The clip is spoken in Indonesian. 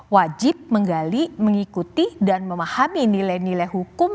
wajib menggali mengikuti dan memahami nilai nilai hukum